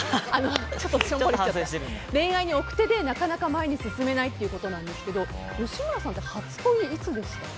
恋愛に奥手で、なかなか前に進めないということですが吉村さんって初恋いつでした？